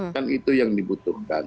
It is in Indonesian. kan itu yang dibutuhkan